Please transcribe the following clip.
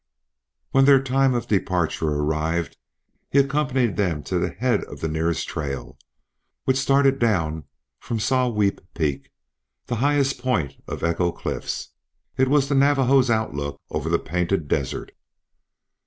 When their time of departure arrived he accompanied them to the head of the nearest trail, which started down from Saweep Peak, the highest point of Echo Cliffs. It was the Navajos' outlook over the Painted Desert.